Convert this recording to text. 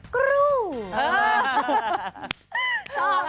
กุรุง